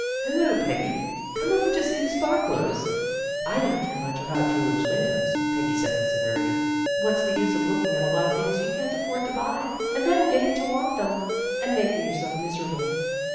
" Hello, Peggy. Come over to see the spark lers? "" I don't care much about jewellers' win dows," Peggy said with severity. " What's the use of looking at a lot of things you can't afford to buy, and then getting to want them, and making yourself miserable?